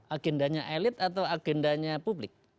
agendanya elit atau agendanya publik